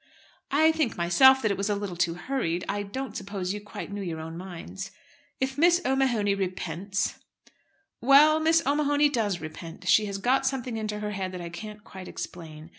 "I think myself that it was a little too hurried. I don't suppose you quite knew your own minds." "If Miss O'Mahony repents " "Well, Miss O'Mahony does repent. She has got something into her head that I can't quite explain.